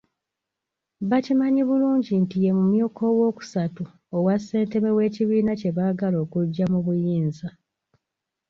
Bakimanyi bulungi nti ye mumyuka owookusatu owa ssentebe w’ekibiina kye baagala okuggya mu buyinza.